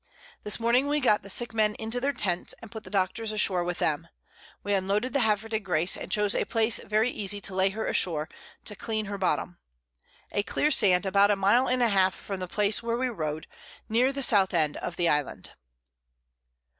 This Morning we got the sick Men into their Tents, and put the Doctors ashore with them: We unloaded the Havre de Grace, and chose a Place very easy to lay her ashore, to clean her Bottom. A clear Sand about a Mile and half from the Place where we rode, near the South End of the Island.